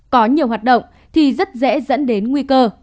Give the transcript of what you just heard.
có nhiều hoạt động thì rất dễ dẫn đến nguy cơ